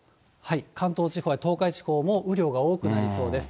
関東地方や東海地方も雨量が多くなりそうです。